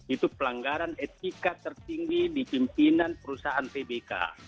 itu pelanggaran etika tertinggi di pimpinan perusahaan tbk